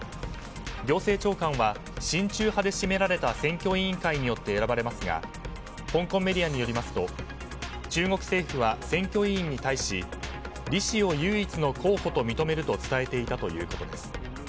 行政長官は親中派で占められた選挙委員会によって選ばれますが香港メディアによりますと中国政府は選挙委員に対しリ氏を唯一の候補と認めると伝えていたということです。